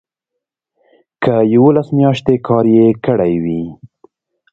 که یوولس میاشتې کار یې کړی وي.